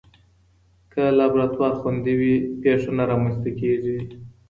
که لابراتوار خوندي وي، پېښه نه رامنځته کېږي.